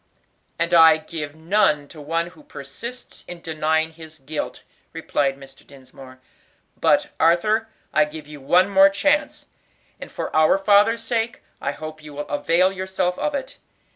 "And I can give none to one who persists in denying his guilt," replied Mr. Dinsmore. "But, Arthur, I give you one more chance, and for our father's sake I hope you will avail yourself of it.